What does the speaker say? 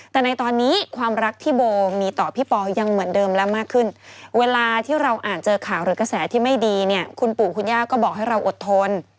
แต่ในตอนนี้ความรักที่โบมีต่อพี่ปอยังเหมือนเดิมและมากขึ้นเวลาที่เราอ่านเจอข่าวหรือกระแสที่ไม่ดีเนี่ยคุณปู่คุณย่าก็บอกให้เราอดทน